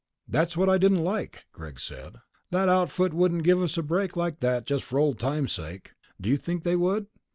"That's what I didn't like," Greg said. "That outfit wouldn't give us a break like that just for old times' sake. Do you think they would?"